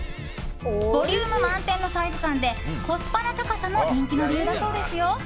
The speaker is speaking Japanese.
ボリューム満点のサイズ感でコスパの高さも人気の理由だそうですよ。